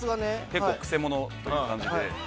結構、くせものという感じで。